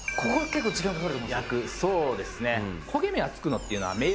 「焼くそうですね」